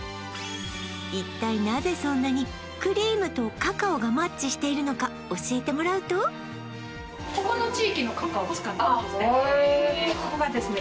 一体なぜそんなにクリームとカカオがマッチしているのか教えてもらうとここがですね